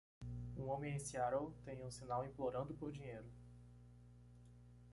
Um homem em Seattle tem um sinal implorando por dinheiro.